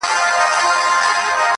چي عطار دوکان ته راغی ډېر خپه سو!.